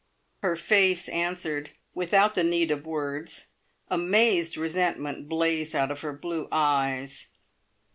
Her face answered, without the need of words. Amazed resentment blazed out of her blue eyes.